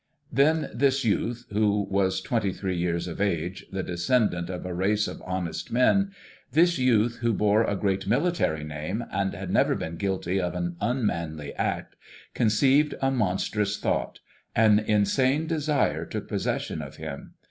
Then this youth, who was twenty three years of age, the descendant of a race of honest men, this youth who bore a great military name, and had never been guilty of an unmanly act, conceived a monstrous thought; an insane desire took possession of him.